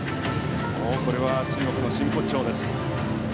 もうこれは中国の真骨頂です。